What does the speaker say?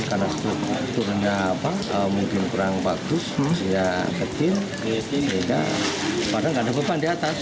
karena strukturnya apa mungkin kurang bagus ya kecil kecil tidak pada ganteng beban di atas